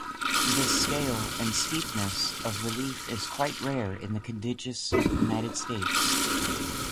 This scale and steepness of relief is quite rare in the contiguous United States.